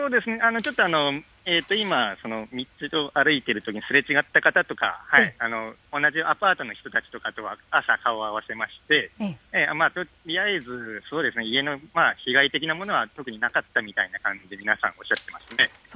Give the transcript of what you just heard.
ちょっと今、道を歩いているときにすれ違った方とか、同じアパートの人たちとかとは朝、顔を合わせまして、とりあえず、そうですね、家の被害的なものは特になかったみたいな感じで、皆さんおっしゃってましたね。